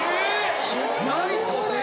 何これ！